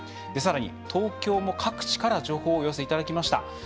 さらに、東京も各地から情報をお寄せいただきました。